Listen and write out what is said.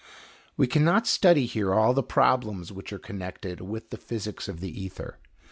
We cannot study here all the problems which are connected with the physics of the ether.